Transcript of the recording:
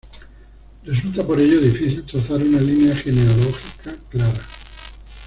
Resulta por ello difícil trazar una línea genealógica clara.